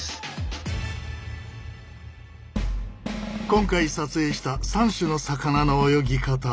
今回撮影した３種の魚の泳ぎ方。